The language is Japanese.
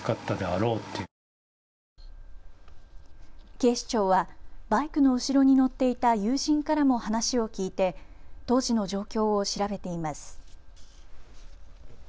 警視庁はバイクの後ろに乗っていた友人からも話を聞いて当時の状況を調べています。